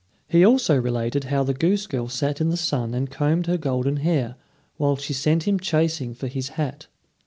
He also related how the goose girl sat in the sun and combed her golden hair, while she sent him chasing for his hat.